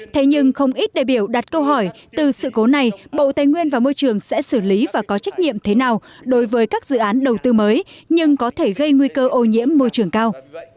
thế nhưng không ít đại biểu đặt câu hỏi từ sự cố này bộ tây nguyên và môi trường sẽ xử lý và có trách nhiệm thế nào đối với các dự án đầu tư mới nhưng có thể gây nguy cơ ô nhiễm môi trường cao